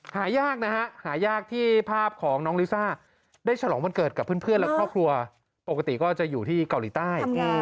หายากนะฮะหายากที่ภาพของน้องลิซ่าได้ฉลองวันเกิดกับเพื่อนและครอบครัวปกติก็จะอยู่ที่เกาหลีใต้